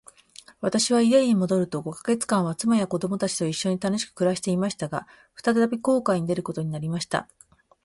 私は家に戻ると五ヵ月間は、妻や子供たちと一しょに楽しく暮していました。が、再び航海に出ることになりました。